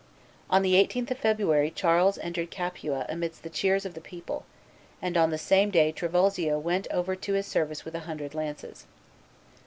On the 18th of February Charles entered Capua amidst the cheers of the people; and on the same day Trivulzio went over to his service with a hundred lances.